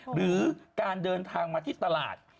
หรือการเดินทางมาที่ตลาด